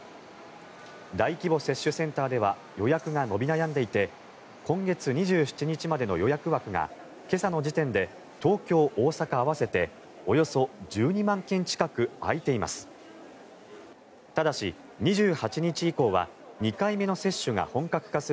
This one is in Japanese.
大規模接種センターでは予約が伸び悩んでいて今月２７日までの予約枠が今朝の時点で東京・大阪合わせておよそ１２万件近く空いています。